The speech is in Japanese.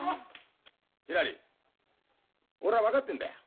ひらり俺は分かってんだよ。